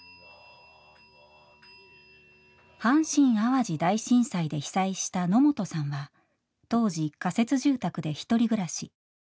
阪神・淡路大震災で被災した野元さんは当時仮設住宅で１人暮らし。